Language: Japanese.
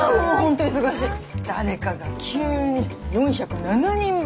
誰かが急に４０７人分。